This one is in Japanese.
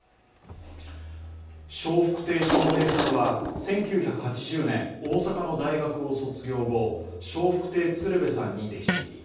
笑福亭笑瓶さんは１９８０年、大阪の大学を卒業後笑福亭鶴瓶さんに弟子入り。